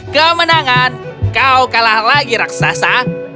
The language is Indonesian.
kemenangan kau kalah lagi raksasa